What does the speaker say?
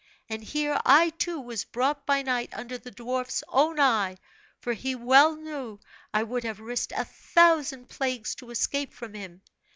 And here I, too, was brought by night under the dwarf's own eye; for he well knew I would have risked a thousand plagues to escape from him.